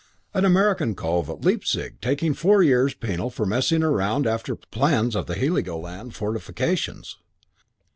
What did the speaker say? An American cove at Leipzig taking four years' penal for messing around after plans of the Heligoland fortifications.